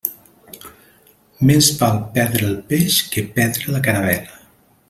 Més val perdre el peix que perdre la caravel·la.